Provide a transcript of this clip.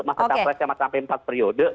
maka capresnya sampai empat periode